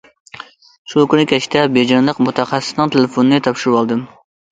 شۇ كۈنى كەچتە بېيجىڭلىق مۇتەخەسسىسنىڭ تېلېفونىنى تاپشۇرۇۋالدىم.